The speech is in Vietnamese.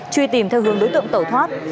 truy tìm theo hướng đối tượng tẩu thoát